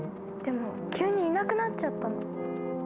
でも急にいなくなっちゃったの。